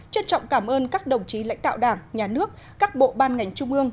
trân trọng cảm ơn các đồng chí lãnh đạo đảng nhà nước các bộ ban ngành trung ương